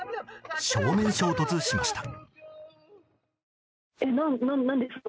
正面衝突しました。